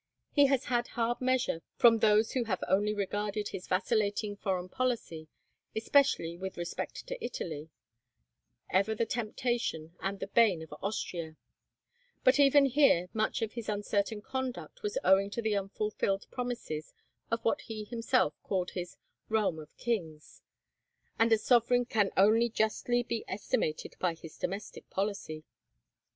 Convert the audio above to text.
He has had hard measure from those who have only regarded his vacillating foreign policy, especially with respect to Italy—ever the temptation and the bane of Austria; but even here much of his uncertain conduct was owing to the unfulfilled promises of what he himself called his "realm of kings," and a sovereign can only justly be estimated by his domestic policy.